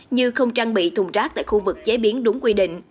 như không trang bị thùng rác tại khu vực chế biến đúng quy định